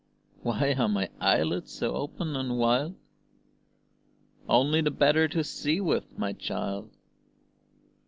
"Why are my eyelids so open and wild?" Only the better to see with, my child!